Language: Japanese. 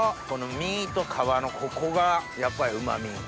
この身と皮のここがやっぱりうま味？